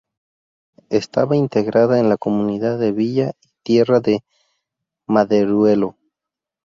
Estaba integrada en la Comunidad de Villa y Tierra de Maderuelo.